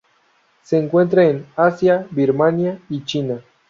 Se encuentran en Asia: Birmania y China.